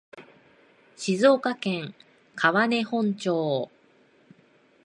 静岡県川根本町